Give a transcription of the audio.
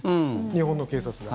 日本の警察が。